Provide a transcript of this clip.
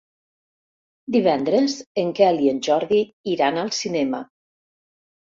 Divendres en Quel i en Jordi iran al cinema.